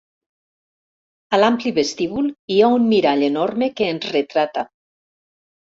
A l'ampli vestíbul hi ha un mirall enorme que ens retrata.